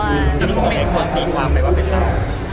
จะต้องเลี้ยงความดีกว่าไหมว่าเป็นเรา